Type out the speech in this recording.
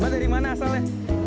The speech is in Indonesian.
mbak dari mana asalnya